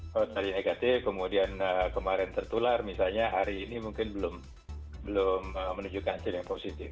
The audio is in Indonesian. kalau tadi negatif kemudian kemarin tertular misalnya hari ini mungkin belum menunjukkan hasil yang positif